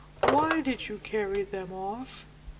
"Why did you carry them off?"